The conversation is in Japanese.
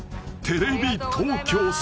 テレビ東京さん］